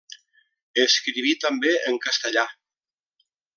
Escriví també en castellà.